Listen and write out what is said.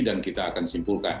dan kita akan simpulkan